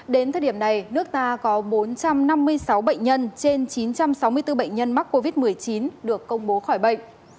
đến thời điểm này nước ta có bốn trăm năm mươi sáu bệnh nhân trên chín trăm sáu mươi bốn bệnh nhân mắc covid một mươi chín được công bố khỏi bệnh